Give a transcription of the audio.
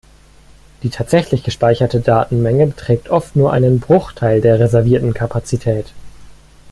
Die tatsächlich gespeicherte Datenmenge beträgt oft nur einen Bruchteil der reservierten Kapazität.